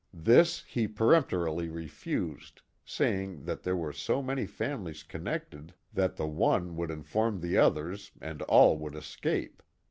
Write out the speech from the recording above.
This he peremptorily refused, saying that there were so many families connected that the one would inform the others and all would escape.